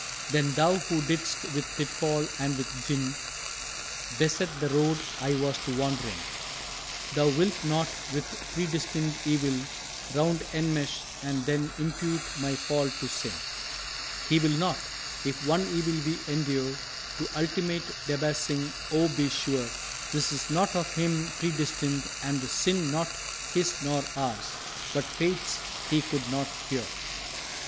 "_Then Thou who didst with pitfall and with gin Beset the Road I was to wander in, Thou wilt not with Predestined Evil round Enmesh, and then impute my fall to sin._" "He will not. If one evil we endure To ultimate Debasing, oh, be sure 'Tis not of Him predestined, and the sin Not His nor ours but Fate's He could not cure."